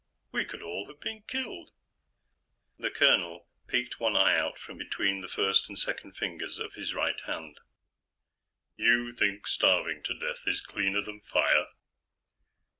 We could all have been killed." The colonel peeked one out from between the first and second fingers of his right hand. "You think starving to death is cleaner than fire?"